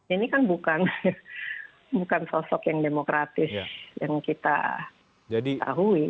ini kan bukan sosok yang demokratis yang kita tahu